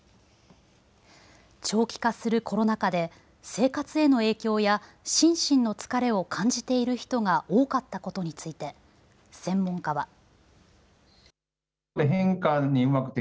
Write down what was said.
長期化するコロナ禍で生活への影響や心身の疲れを感じている人が多かったことについて専門家は。